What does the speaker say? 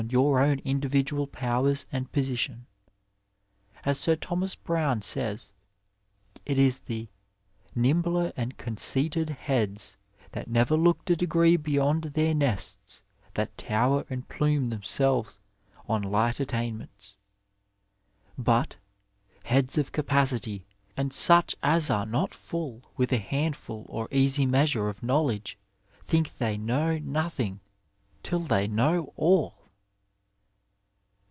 your own individual powers and position. As Sir Thomas Browne says, it is the nimbler and con ceited heads that never looked a degree beyond their nests that tower and plume themselves on light attain ments," but *' heads of capacity and such as are not full with a handful or easy measure of knowledge think they know nothing tQl they know all